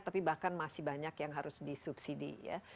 tapi bahkan masih banyak yang harus disubsidi ya